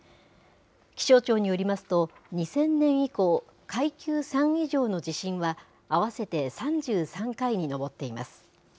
気象庁によりますと、２０００年以降、階級３以上の地震は、合わせて３３回に上っています。